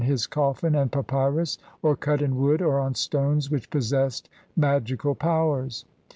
his coffin and papyrus, or cut in wood or on stones which possessed magical powers.